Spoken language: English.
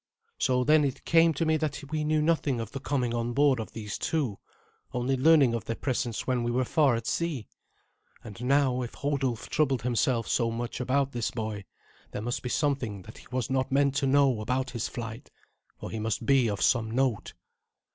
So then it came to me that we knew nothing of the coming on board of these two, only learning of their presence when we were far at sea. And now, if Hodulf troubled himself so much about this boy, there must be something that he was not meant to know about his flight, for he must be of some note.